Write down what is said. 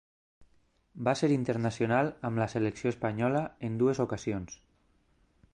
Va ser internacional amb la selecció espanyola en dues ocasions.